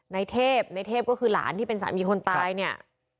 ในเทพในเทพก็คือหลานที่เป็นสามีคนตายเนี่ย